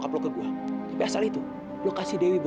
aku akan maafkan kesalahan kamp jaman kamu pada aku